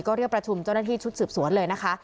ก็เรียกประชุมเจ้าหน้าที่ชุดสืบสวนเลยนะคะ